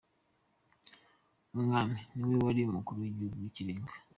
Umwami : Niwe wari umukuru w’igihugu w’ikirenga.